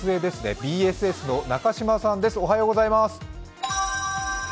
ＢＳＳの中島さんです、おはようございます。